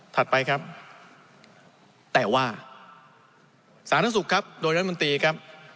ไปครับแต่ว่าสาธารณสุขครับโดยรัฐมนตรีครับ